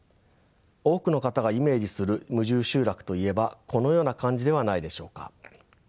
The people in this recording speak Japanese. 多くの方がイメージする無住集落といえばこのような感じではないでしょうか。